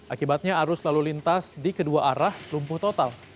akibatnya arus lalu lintas di kedua arah lumpuh total